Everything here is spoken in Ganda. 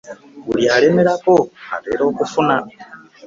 Buli alemerako atera okufuna.